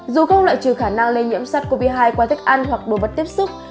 dù không loại trừ khả năng lây nhiễm sars cov hai qua thức ăn hoặc đồ vật tiếp xúc